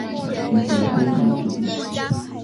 渐渐恢复体力